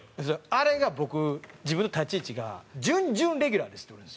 あれが僕自分の立ち位置が準々レギュラーですっていうんですよ。